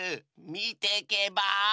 みてけばあ？